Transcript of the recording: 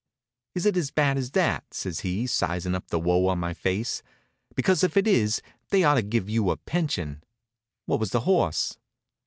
"Is it as bad as that?" says he, sizin' up the woe on my face. "Because if it is they ought to give you a pension. What was the horse?"